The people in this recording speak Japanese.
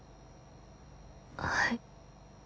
はい。